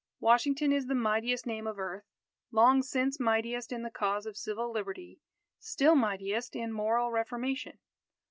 Washington is the mightiest name of earth long since mightiest in the cause of Civil Liberty; still mightiest in moral reformation.